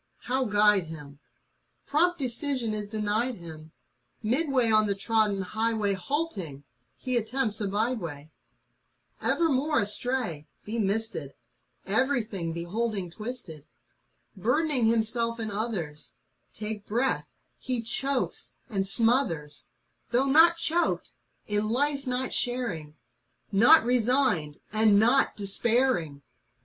— ^how guide himt Prompt decision is denied him; Midway on the trodden highway Halting, he attempts a by way ; Ever more astray, bemisted, Everything beholding twisted, Burdening himself and others, Taking breath, he chokes and smothers, Though not choked, in Life not sharing, Not resigned, and not despairing!